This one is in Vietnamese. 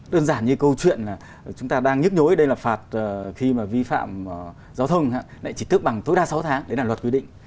đơn giản như câu chuyện là chúng ta đang nhức nhối đây là phạt khi mà vi phạm giao thông lại chỉ tức bằng tối đa sáu tháng đấy là luật quy định